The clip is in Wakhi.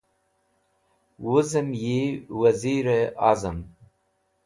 Wuzem yi Wazir e Azam